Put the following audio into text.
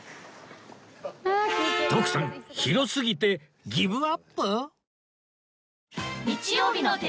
徳さん広すぎてギブアップ？